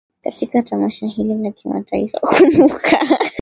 katika tamasha hili la kimataifa kumbuka